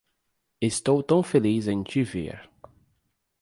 Estou tão feliz em te ver.